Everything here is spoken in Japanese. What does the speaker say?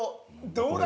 どうだ？